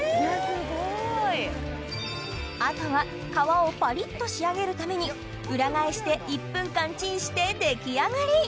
・すごい・あとは皮をパリっと仕上げるために裏返して１分間チンして出来上がり！